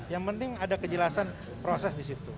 yang penting ada kejelasan proses di situ